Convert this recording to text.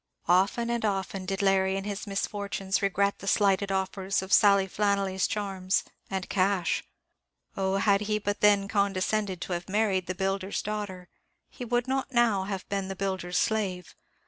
Often and often did Larry, in his misfortunes, regret the slighted offers of Sally Flannelly's charms and cash. Oh, had he but then condescended to have married the builder's daughter, he would not now have been the builder's slave.